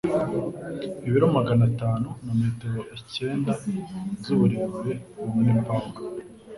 Ibiro magana atanu na metero icyenda z'uburebure ... uwo ni Paul.